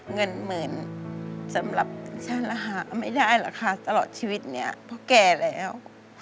เงินหมื่นสำหรับฉันหาไม่ได้หรอกค่ะตลอดชีวิตเนี่ยเพราะแก่แล้ว